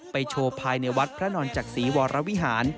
โชว์ภายในวัดพระนอนจักษีวรวิหาร